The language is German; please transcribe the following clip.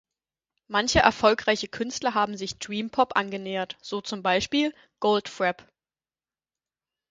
Manche erfolgreiche Künstler haben sich Dream Pop angenähert, so zum Beispiel Goldfrapp.